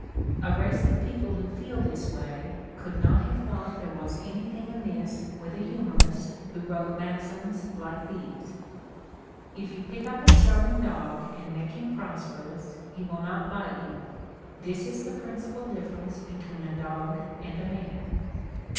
A race of people who feel this way coidd not have thought there was anything amiss with a humorist who wrote maxims like these: If you pick up a starving dog aud make him prosperous, he will not bite you. This is the principal difference between , dog and a man.